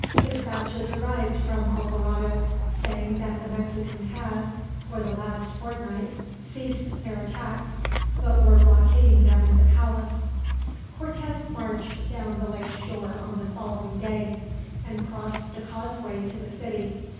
Dispatches arrived from Alvarado saying that the Mexicans had, for the last fortnight, ceased their attacks; but were blockading him in the palace. Cortez marched down the lake shore on the following day, and crossed the causeway to the city.